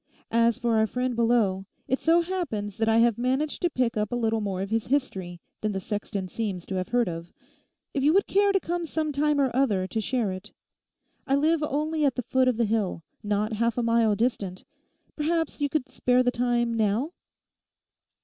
As for our friend below, it so happens that I have managed to pick up a little more of his history than the sexton seems to have heard of—if you would care some time or other to share it. I live only at the foot of the hill, not half a mile distant. Perhaps you could spare the time now?